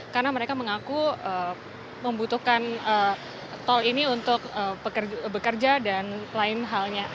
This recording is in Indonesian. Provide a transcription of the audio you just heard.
karena mereka mengaku membutuhkan tol ini untuk bekerja dan lain halnya